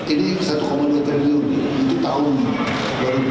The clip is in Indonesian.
ini satu komunitas terlalu itu tahun dua ribu tiga